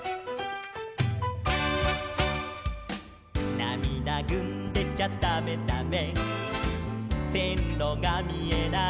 「なみだぐんでちゃだめだめ」「せんろがみえない」